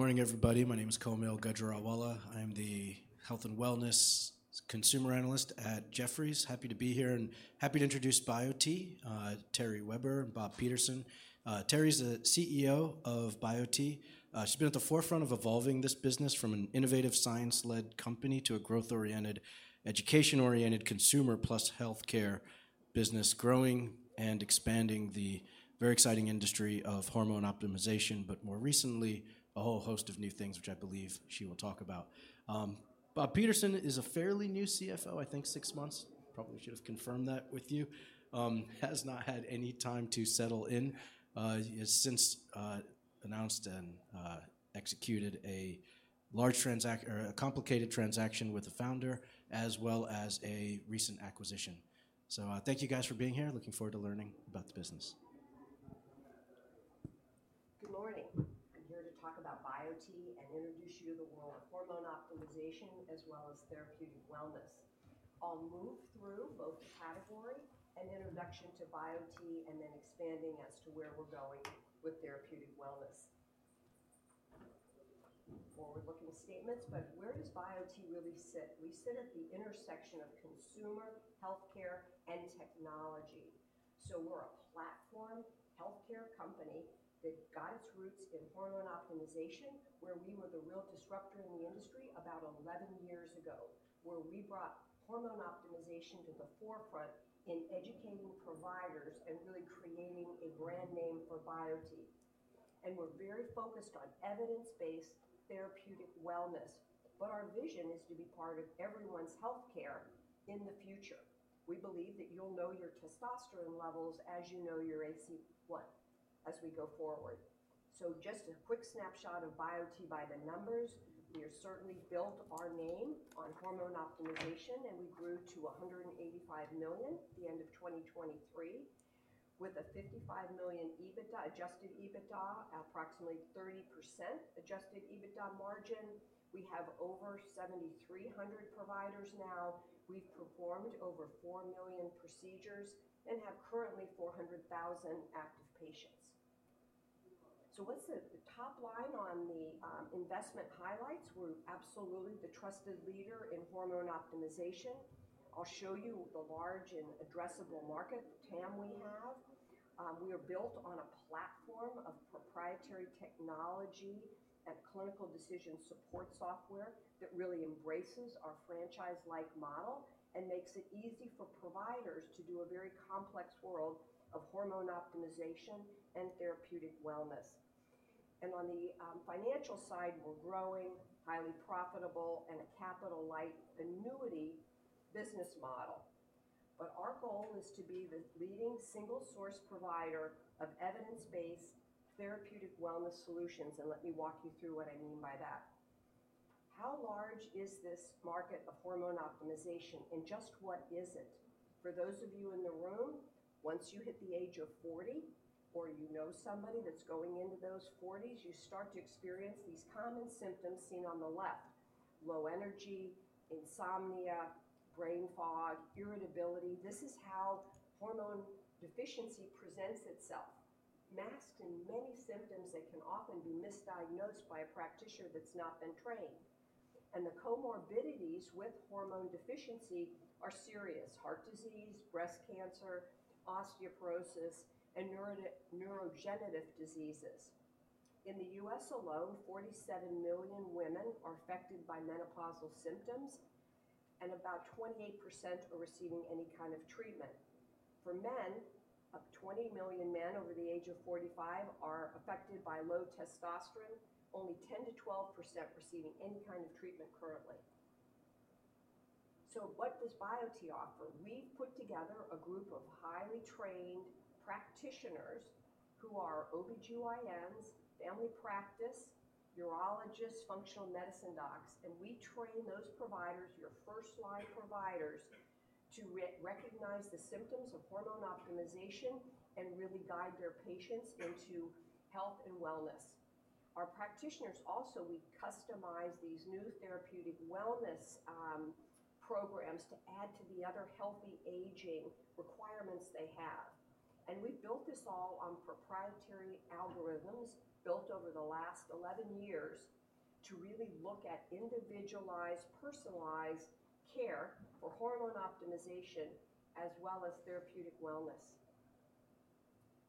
Good morning, everybody. My name is Kaumil Gajrawala. I'm the Health and Wellness Consumer Analyst at Jefferies. Happy to be here and happy to introduce Biote, Terry Weber and Bob Peterson. Terry's the CEO of Biote. She's been at the forefront of evolving this business from an innovative, science-led company to a growth-oriented, education-oriented consumer plus healthcare business, growing and expanding the very exciting industry of hormone optimization, but more recently, a whole host of new things, which I believe she will talk about. Bob Peterson is a fairly new CFO, I think six months. Probably should have confirmed that with you. Has not had any time to settle in. He has since announced and executed a large or a complicated transaction with the founder, as well as a recent acquisition. Thank you guys for being here looking forward to learning about the business. Good morning. I'm here to talk about Biote and introduce you to the world of hormone optimization, as well as therapeutic wellness. I'll move through both the category and introduction to Biote, and then expanding as to where we're going with therapeutic wellness. Forward-looking statements, but where does Biote really sit? We sit at the intersection of consumer, healthcare, and technology. So we're a platform healthcare company that got its roots in hormone optimization, where we were the real disruptor in the industry about 11 years ago, where we brought hormone optimization to the forefront in educating providers and really creating a brand name for Biote. We're very focused on evidence-based therapeutic wellness, but our vision is to be part of everyone's healthcare in the future. We believe that you'll know your testosterone levels as you know your A1C as we go forward. So just a quick snapshot of Biote by the numbers. We have certainly built our name on hormone optimization, and we grew to $185 million at the end of 2023, with a $55 million adjusted EBITDA, approximately 30% adjusted EBITDA margin. We have over 7,300 providers now. We've performed over $4 million procedures and have currently 400,000 active patients. So what's the top line on the investment highlights? We're absolutely the trusted leader in hormone optimization. I'll show you the large and addressable market, TAM, we have. We are built on a platform of proprietary technology and clinical decision support software that really embraces our franchise-like model and makes it easy for providers to do a very complex world of hormone optimization and therapeutic wellness. On the financial side, we're growing, highly profitable, and a capital-light annuity business model. Our goal is to be the leading single source provider of evidence-based therapeutic wellness solutions, and let me walk you through what I mean by that. How large is this market of Hormone Optimization, and just what is it? For those of you in the room, once you hit the age of 40, or you know somebody that's going into those 40s, you start to experience these common symptoms seen on the left: low energy, insomnia, brain fog, irritability. This is how hormone deficiency presents itself, masked in many symptoms that can often be misdiagnosed by a practitioner that's not been trained. And the comorbidities with hormone deficiency are serious: heart disease, breast cancer, osteoporosis, and neurodegenerative diseases. In the U.S. alone, 47 million women are affected by menopausal symptoms, and about 28% are receiving any kind of treatment. For men, up to 20 million men over the age of 45 are affected by low testosterone, only 10%-12% receiving any kind of treatment currently. So what does Biote offer? We've put together a group of highly trained practitioners who are OBGYNs, family practice, urologists, functional medicine docs, and we train those providers, your first-line providers, to re-recognize the symptoms of hormone optimization and really guide their patients into health and wellness. Our practitioners also, we customize these new therapeutic wellness, programs to add to the other healthy aging requirements they have. We've built this all on proprietary algorithms, built over the last 11 years, to really look at individualized, personalized care for hormone optimization, as well as therapeutic wellness.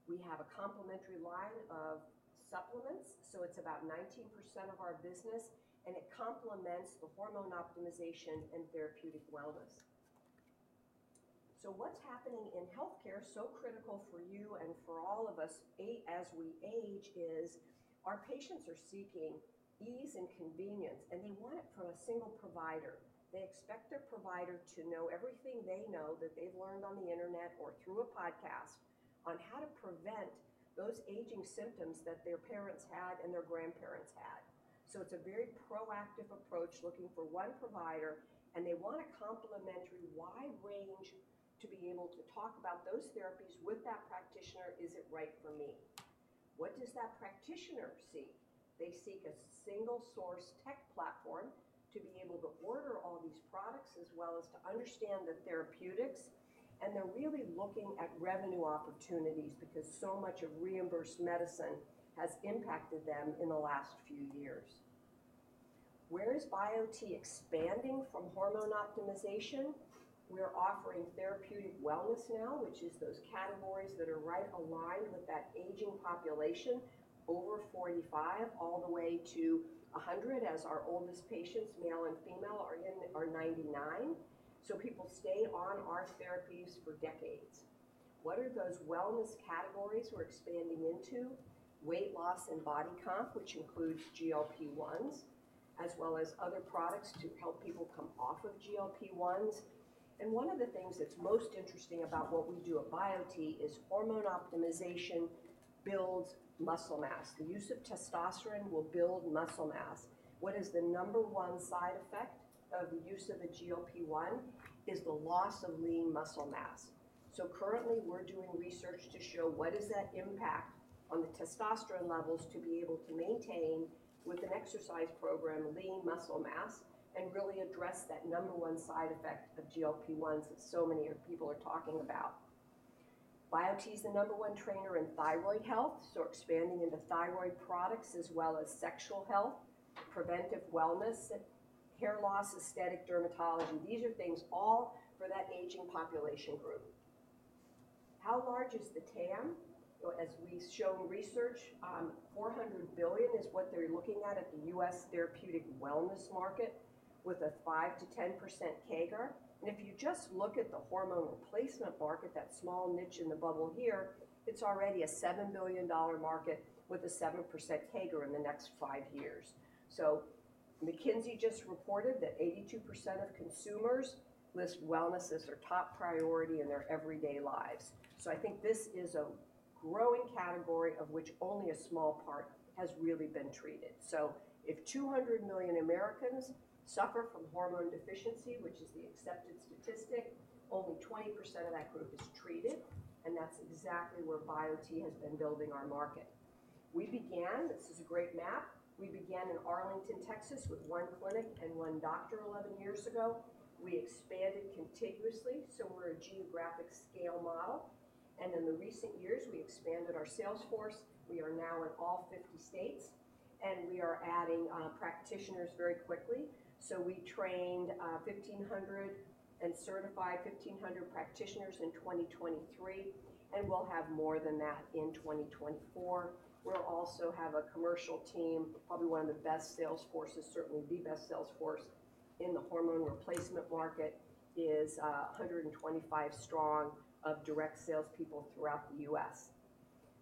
We have a complementary line of supplements, so it's about 19% of our business, and it complements the hormone optimization and therapeutic wellness. So what's happening in healthcare, so critical for you and for all of us as we age, is our patients are seeking ease and convenience, and they want it from a single provider. They expect their provider to know everything they know, that they've learned on the internet or through a podcast, on how to prevent those aging symptoms that their parents had and their grandparents had. So it's a very proactive approach, looking for one provider, and they want a complementary wide range to be able to talk about those therapies with that practitioner. Is it right for me? What does that practitioner seek? They seek a single source tech platform to be able to order all these products, as well as to understand the therapeutics, and they're really looking at revenue opportunities because so much of reimbursed medicine has impacted them in the last few years. Where is Biote expanding from hormone optimization? We're offering therapeutic wellness now, which is those categories that are right aligned with that aging population, over 45, all the way to 100, as our oldest patients, male and female, are 99. So people stay on our therapies for decades. What are those wellness categories we're expanding into? Weight loss and body comp, which includes GLP-1s, as well as other products to help people come off of GLP-1s. And one of the things that's most interesting about what we do at Biote is hormone optimization builds muscle mass. The use of testosterone will build muscle mass. What is the number one side effect of the use of a GLP-1? It is the loss of lean muscle mass. So currently, we're doing research to show what is that impact on the testosterone levels to be able to maintain, with an exercise program, lean muscle mass, and really address that number one side effect of GLP-1s that so many of people are talking about. Biote is the number one trainer in thyroid health, so expanding into thyroid products as well as sexual health, preventive wellness, hair loss, aesthetic dermatology. These are things all for that aging population group. How large is the TAM? Well, as we've shown research, $400 billion is what they're looking at at the U.S. therapeutic wellness market, with a 5%-10% CAGR. If you just look at the hormone replacement market, that small niche in the bubble here, it's already a $7 million market with a 7% CAGR in the next five years. McKinsey just reported that 82% of consumers list wellness as their top priority in their everyday lives. I think this is a growing category, of which only a small part has really been treated. If 200 million Americans suffer from hormone deficiency, which is the accepted statistic, only 20% of that group is treated, and that's exactly where Biote has been building our market. This is a great map. We began in Arlington, Texas, with one clinic and one doctor 11 years ago. We expanded contiguously, so we're a geographic scale model, and in the recent years, we expanded our sales force. We are now in all 50 states, and we are adding practitioners very quickly. So we trained 1,500 and certified 1,500 practitioners in 2023, and we'll have more than that in 2024. We'll also have a commercial team, probably one of the best sales forces, certainly the best sales force in the hormone replacement market, is 125 strong of direct salespeople throughout the U.S.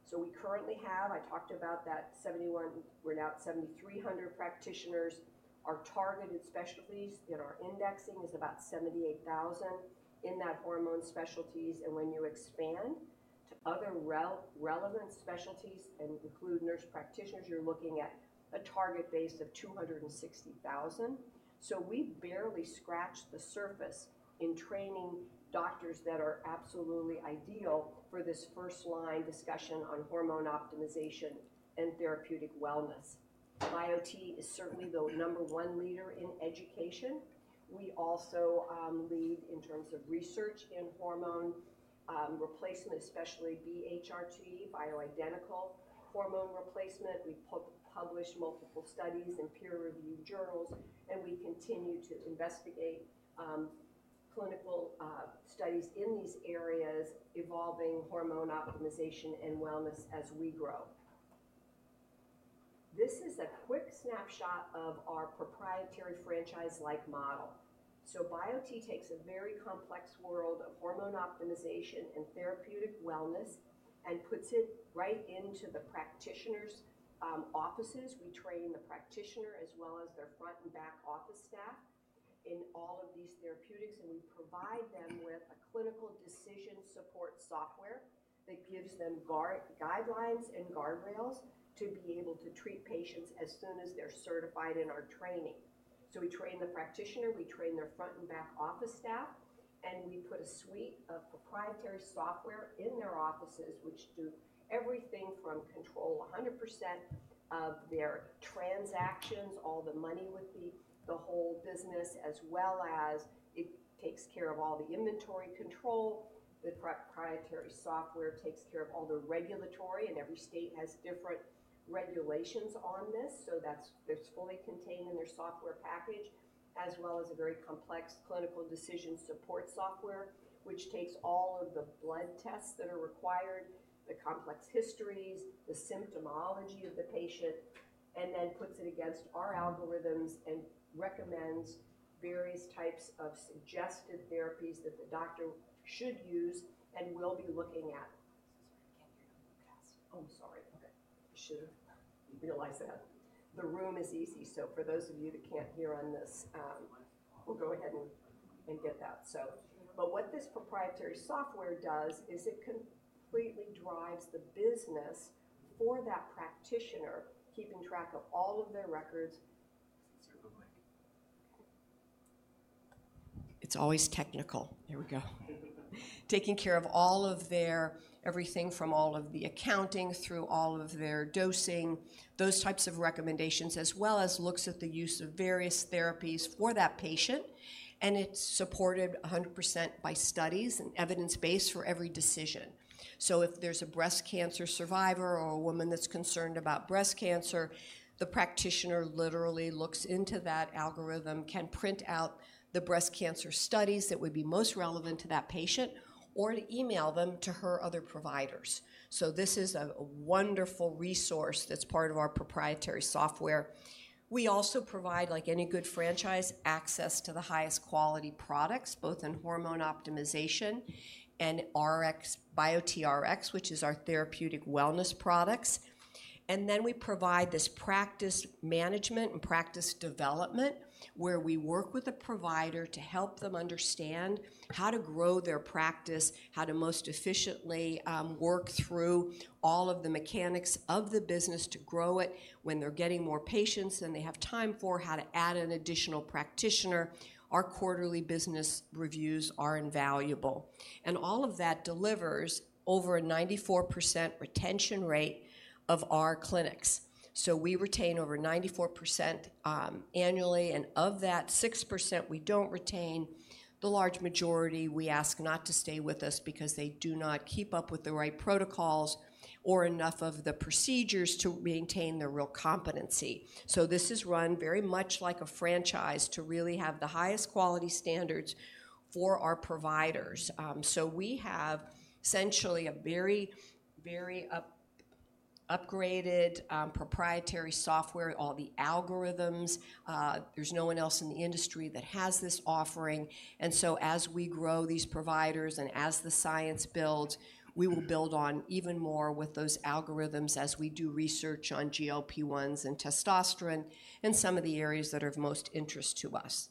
So we currently have... I talked about that 71, we're now at 7,300 practitioners. Our targeted specialties in our indexing is about 78,000 in that hormone specialties, and when you expand to other relevant specialties and include nurse practitioners, you're looking at a target base of 260,000. So we've barely scratched the surface in training doctors that are absolutely ideal for this first-line discussion on hormone optimization and therapeutic wellness. Biote is certainly the number one leader in education. We also lead in terms of research in hormone replacement, especially BHRT, bioidentical hormone replacement. We publish multiple studies in peer-reviewed journals, and we continue to investigate clinical studies in these areas, evolving hormone optimization and wellness as we grow. This is a quick snapshot of our proprietary franchise-like model. So Biote takes a very complex world of hormone optimization and therapeutic wellness and puts it right into the practitioners' offices. We train the practitioner, as well as their front and back office staff, in all of these therapeutics, and we provide them with a clinical decision support software that gives them guidelines and guardrails to be able to treat patients as soon as they're certified in our training. So we train the practitioner, we train their front and back office staff, and we put a suite of proprietary software in their offices, which do everything from control 100% of their transactions, all the money with the whole business, as well as it takes care of all the inventory control. The proprietary software takes care of all the regulatory, and every state has different regulations on this, so that's fully contained in their software package, as well as a very complex clinical decision support software, which takes all of the blood tests that are required, the complex histories, the symptomology of the patient, and then puts it against our algorithms and recommends various types of suggested therapies that the doctor should use and will be looking at. Sorry, I can't hear the podcast. Oh, sorry. Okay. Should've realized that. The room is easy, so for those of you that can't hear on this, we'll go ahead and get that. But what this proprietary software does is it completely drives the business for that practitioner, keeping track of all of their records. It's your mic. It's always technical. Here we go. Taking care of all of their, everything from all of the accounting through all of their dosing, those types of recommendations, as well as looks at the use of various therapies for that patient, and it's supported 100% by studies and evidence-based for every decision. So if there's a breast cancer survivor or a woman that's concerned about breast cancer, the practitioner literally looks into that algorithm, can print out the breast cancer studies that would be most relevant to that patient, or to email them to her other providers. So this is a wonderful resource that's part of our proprietary software. We also provide, like any good franchise, access to the highest quality products, both in hormone optimization and Rx, Biote Rx, which is our therapeutic wellness products. And then we provide this practice management and practice development, where we work with the provider to help them understand how to grow their practice, how to most efficiently work through all of the mechanics of the business to grow it. When they're getting more patients than they have time for, how to add an additional practitioner. Our quarterly business reviews are invaluable, and all of that delivers over a 94% retention rate of our clinics. So we retain over 94% annually, and of that 6% we don't retain, the large majority we ask not to stay with us because they do not keep up with the right protocols or enough of the procedures to maintain their real competency. So this is run very much like a franchise to really have the highest quality standards for our providers. So we have essentially a very, very upgraded, proprietary software, all the algorithms. There's no one else in the industry that has this offering, and so as we grow these providers and as the science builds, we will build on even more with those algorithms as we do research on GLP-1s and testosterone, and some of the areas that are of most interest to us.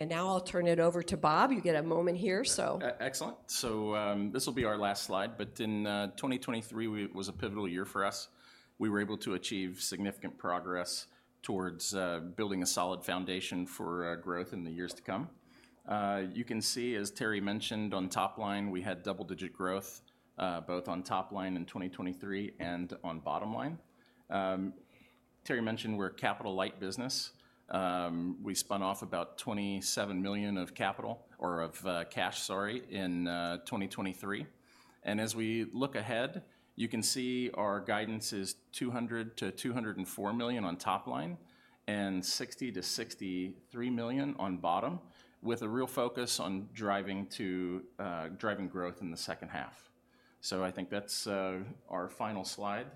And now I'll turn it over to Bob. You get a moment here, so- Excellent. So, this will be our last slide, but in 2023, we was a pivotal year for us. We were able to achieve significant progress towards building a solid foundation for growth in the years to come. You can see, as Terry mentioned, on top line, we had double-digit growth both on top line in 2023 and on bottom line. Terry mentioned we're a capital-light business. We spun off about $27 million of capital, or of cash, sorry, in 2023, and as we look ahead, you can see our guidance is $200 million-$204 million on top line, and $60 million-$63 million on bottom, with a real focus on driving to driving growth in the second half. I think that's our final slide,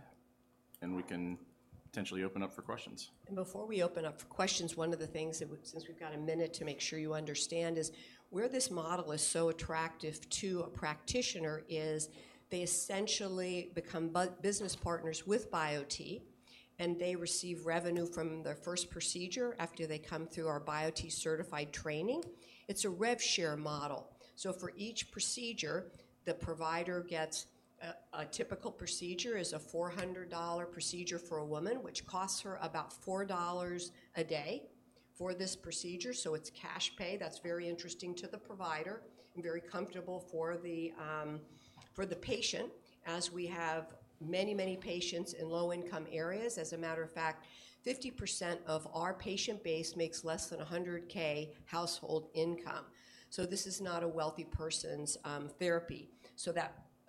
and we can potentially open up for questions. Before we open up for questions, one of the things that, since we've got a minute to make sure you understand, is, where this model is so attractive to a practitioner is they essentially become business partners with Biote, and they receive revenue from their first procedure after they come through our Biote certified training. It's a rev share model. So for each procedure, the provider gets a typical procedure is a $400 procedure for a woman, which costs her about $4 a day for this procedure, so it's cash pay. That's very interesting to the provider and very comfortable for the patient, as we have many, many patients in low-income areas. As a matter of fact, 50% of our patient base makes less than $100K household income. So this is not a wealthy person's therapy.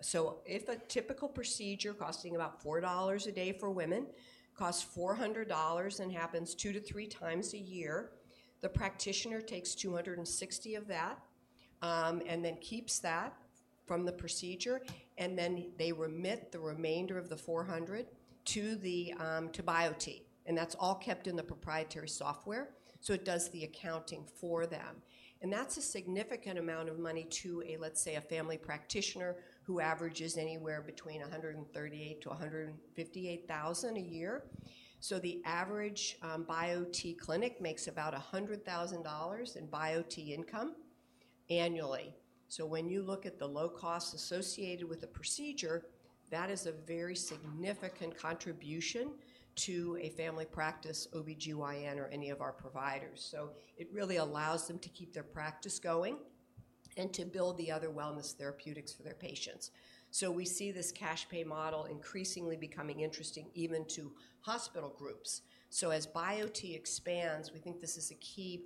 So if a typical procedure costing about $4 a day for women costs $400 and happens 2-3 times a year, the practitioner takes 260 of that, and then keeps that from the procedure, and then they remit the remainder of the $400 to the, to Biote, and that's all kept in the proprietary software, so it does the accounting for them. That's a significant amount of money to a, let's say, a family practitioner, who averages anywhere between $138,000-$158,000 a year. The average Biote clinic makes about $100,000 in Biote income annually. When you look at the low costs associated with the procedure, that is a very significant contribution to a family practice, OBGYN, or any of our providers. So it really allows them to keep their practice going and to build the other wellness therapeutics for their patients. So we see this cash pay model increasingly becoming interesting even to hospital groups. So as Biote expands, we think this is a key,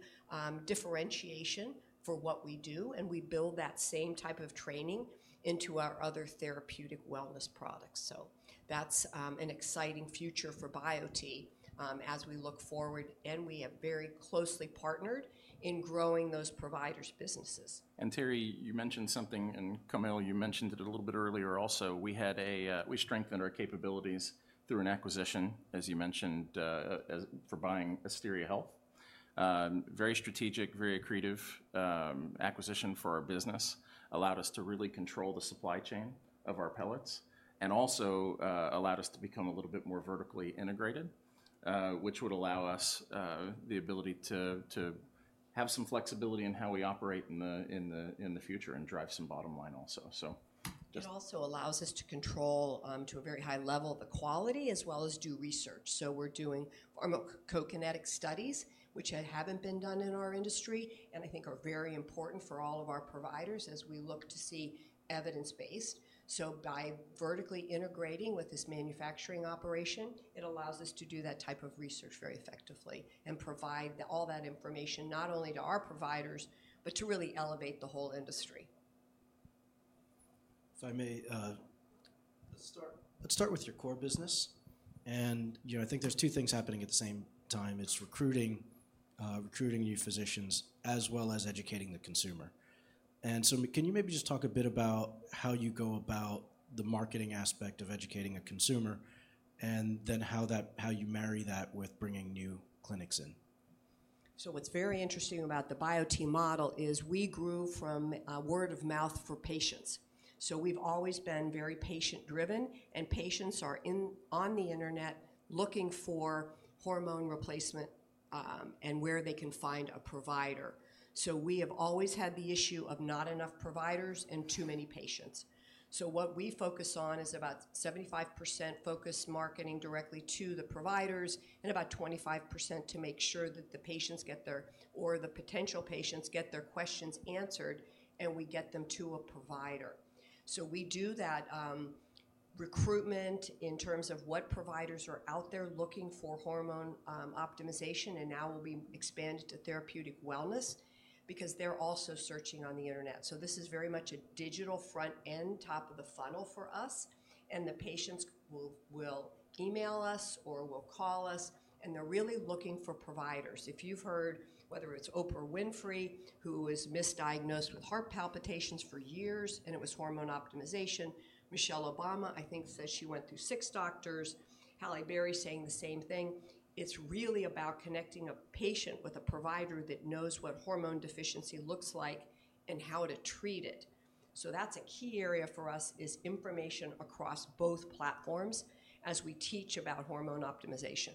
differentiation for what we do, and we build that same type of training into our other therapeutic wellness products. So that's, an exciting future for Biote, as we look forward, and we have very closely partnered in growing those providers' businesses. And Terry, you mentioned something, and Kaumil, you mentioned it a little bit earlier also. We strengthened our capabilities through an acquisition, as you mentioned, as for buying Asteria Health. Very strategic, very accretive, acquisition for our business. Allowed us to really control the supply chain of our pellets, and also, allowed us to become a little bit more vertically integrated, which would allow us the ability to have some flexibility in how we operate in the future, and drive some bottom line also, so just- It also allows us to control, to a very high level, the quality, as well as do research. So we're doing pharmacokinetic studies, which haven't been done in our industry, and I think are very important for all of our providers as we look to see evidence-based. So by vertically integrating with this manufacturing operation, it allows us to do that type of research very effectively, and provide all that information, not only to our providers, but to really elevate the whole industry. If I may, let's start with your core business. And, you know, I think there's two things happening at the same time: it's recruiting, recruiting new physicians, as well as educating the consumer. And so can you maybe just talk a bit about how you go about the marketing aspect of educating a consumer, and then how that... how you marry that with bringing new clinics in? So what's very interesting about the Biote model is we grew from word of mouth for patients. So we've always been very patient-driven, and patients are on the internet looking for hormone replacement, and where they can find a provider. So we have always had the issue of not enough providers and too many patients. So what we focus on is about 75% focus marketing directly to the providers, and about 25% to make sure that the patients get their or the potential patients get their questions answered, and we get them to a provider. So we do that recruitment, in terms of what providers are out there looking for hormone optimization, and now we expanded to therapeutic wellness, because they're also searching on the internet. So this is very much a digital front-end, top-of-the-funnel for us, and the patients will email us or will call us, and they're really looking for providers. If you've heard, whether it's Oprah Winfrey, who was misdiagnosed with heart palpitations for years, and it was hormone optimization. Michelle Obama, I think, says she went through six doctors. Halle Berry saying the same thing. It's really about connecting a patient with a provider that knows what hormone deficiency looks like and how to treat it. So that's a key area for us, is information across both platforms, as we teach about hormone optimization.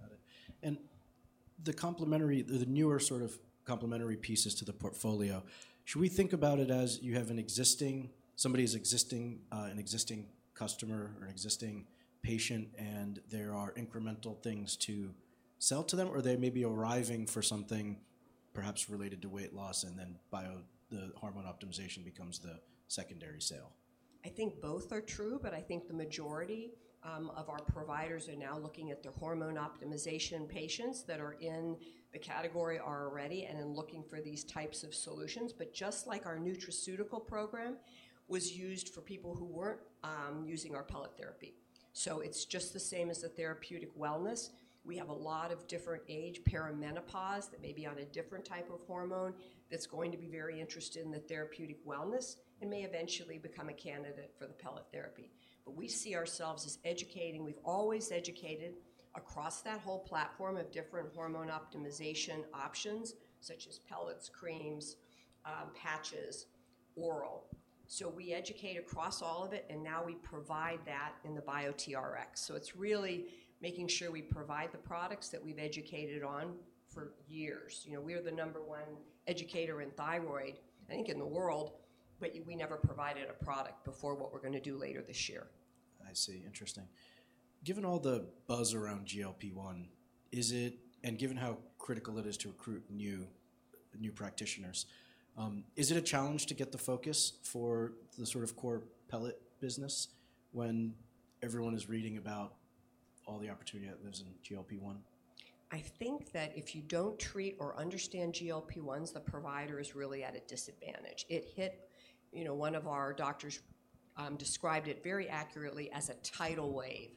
Got it. And the complementary, the newer sort of complementary pieces to the portfolio, should we think about it as you have an existing—somebody's existing, an existing customer or an existing patient, and there are incremental things to sell to them? Or they may be arriving for something perhaps related to weight loss, and then Bio—the hormone optimization becomes the secondary sale. I think both are true, but I think the majority of our providers are now looking at the hormone optimization patients that are in the category already and then looking for these types of solutions. But just like our nutraceutical program was used for people who weren't using our pellet therapy. So it's just the same as the therapeutic wellness. We have a lot of different age perimenopause, that may be on a different type of hormone, that's going to be very interested in the therapeutic wellness, and may eventually become a candidate for the pellet therapy. But we see ourselves as educating. We've always educated across that whole platform of different hormone optimization options, such as pellets, creams, patches, oral. So we educate across all of it, and now we provide that in the Biote Rx. So it's really making sure we provide the products that we've educated on for years. You know, we are the number one educator in thyroid, I think, in the world, but we never provided a product before what we're gonna do later this year. I see. Interesting. Given all the buzz around GLP-1, is it... Given how critical it is to recruit new practitioners, is it a challenge to get the focus for the sort of core pellet business when everyone is reading about all the opportunity that lives in GLP-1? I think that if you don't treat or understand GLP-1s, the provider is really at a disadvantage. It hit. You know, one of our doctors described it very accurately as a tidal wave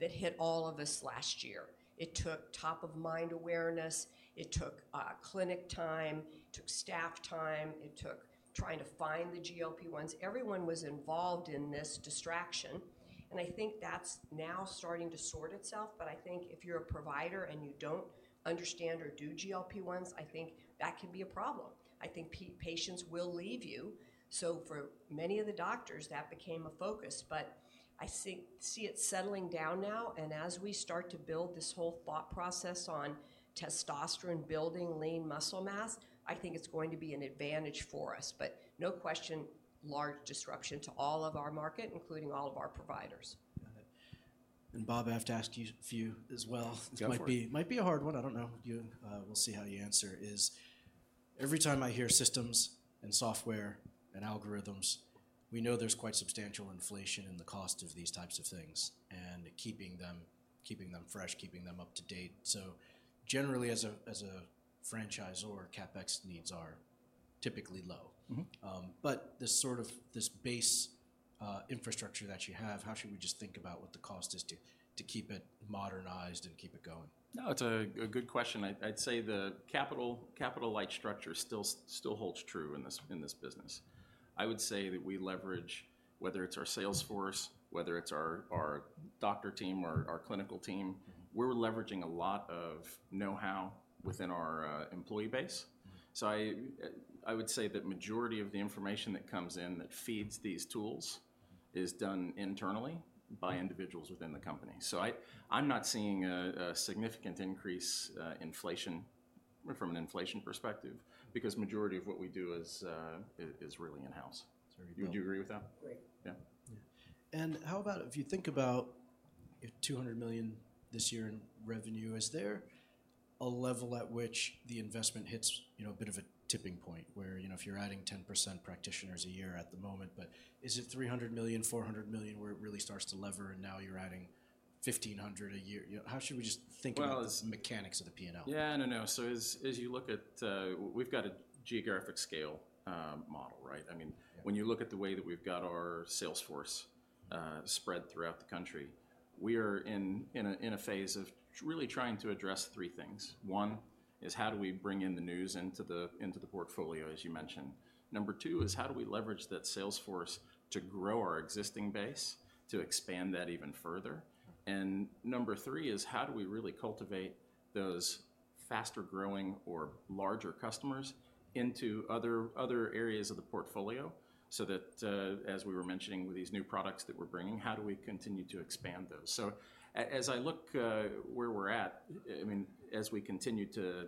that hit all of us last year. It took top-of-mind awareness, it took clinic time, it took staff time, it took trying to find the GLP-1s. Everyone was involved in this distraction, and I think that's now starting to sort itself. But I think if you're a provider and you don't understand or do GLP-1s, I think that can be a problem. I think patients will leave you. So for many of the doctors, that became a focus, but I see it settling down now, and as we start to build this whole thought process on testosterone, building lean muscle mass, I think it's going to be an advantage for us. No question, large disruption to all of our market, including all of our providers. Got it. And, Bob, I have to ask you a few as well. Go for it. This might be a hard one. I don't know. You, we'll see how you answer is... Every time I hear systems, and software, and algorithms, we know there's quite substantial inflation in the cost of these types of things, and keeping them fresh, keeping them up to date. So generally, as a franchiser, CapEx needs are typically low. Mm-hmm. But this sort of this base infrastructure that you have, how should we just think about what the cost is to keep it modernized and keep it going? No, it's a good question. I'd, I'd say the capital, capital-light structure still holds true in this, in this business. I would say that we leverage, whether it's our sales force, whether it's our, our doctor team or our clinical team, we're leveraging a lot of know-how within our employee base. So I would say that majority of the information that comes in, that feeds these tools is done internally by individuals within the company. So I'm not seeing a significant increase, inflation, from an inflation perspective, because majority of what we do is really in-house. There you go. Would you agree with that? Great. Yeah. Yeah. How about if you think about you have $200 million this year in revenue, is there a level at which the investment hits, you know, a bit of a tipping point where, you know, if you're adding 10% practitioners a year at the moment, but is it $300 million, $400 million, where it really starts to lever, and now you're adding 1,500 a year? You know, how should we just think about the mechanics of the P&L? Yeah, no, no. So as, as you look at... We've got a geographic scale, model, right? I mean when you look at the way that we've got our sales force spread throughout the country, we are in a phase of really trying to address three things. One is how do we bring in the news into the portfolio, as you mentioned. Number two is how do we leverage that sales force to grow our existing base, to expand that even further? Number three is, how do we really cultivate those faster-growing or larger customers into other areas of the portfolio so that, as we were mentioning with these new products that we're bringing, how do we continue to expand those? So as I look, where we're at, I mean, as we continue to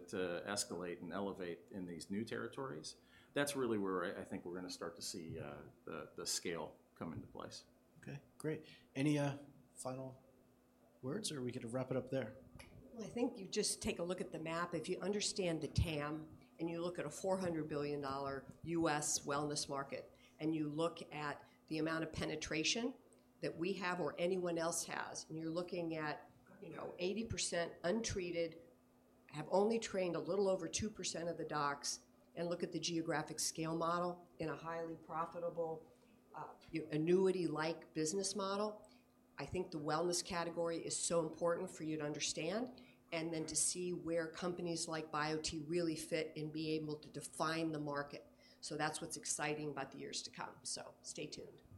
escalate and elevate in these new territories, that's really where I think we're gonna start to see the scale come into place. Okay, great. Any final words, or are we good to wrap it up there? Well, I think you just take a look at the map. If you understand the TAM, and you look at a $400 billion US wellness market, and you look at the amount of penetration that we have or anyone else has, and you're looking at, you know, 80% untreated, have only trained a little over 2% of the docs, and look at the geographic scale model in a highly profitable, your annuity-like business model, I think the wellness category is so important for you to understand, and then to see where companies like Biote really fit and be able to define the market. So that's what's exciting about the years to come, so stay tuned.